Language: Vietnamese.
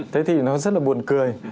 thế thì nó rất là buồn cười